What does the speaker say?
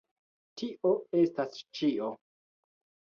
Tio estas ĉio!